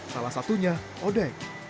salah satunya odey